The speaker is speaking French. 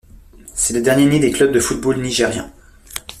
C’est le dernier né des clubs de football nigérien.